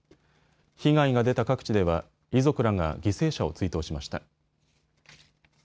被害が出た各地では遺族らが犠牲者を追悼しました。